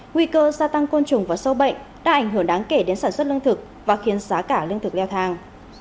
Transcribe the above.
nguy cơ gia tăng côn trùng và sâu bệnh đã ảnh hưởng đáng kể đến sản xuất lương thực và khiến giá cả lương thực leo thang